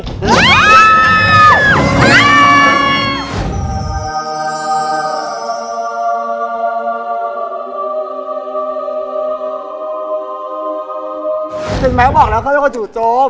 จริงไหมบอกแล้วเขาเป็นคนจูบ